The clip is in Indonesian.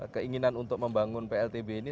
keinginan untuk membangun pltb ini